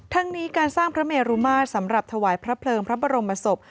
ทั้งนี้การสร้างพระเมรุมาตรสำหรับถวายพระเพลิงพระบรมศพ